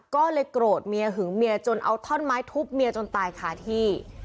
ก็เลยโกรธเมียหึงเมียจนเอาท่อนไม้ทุบเมียจนตายคาที่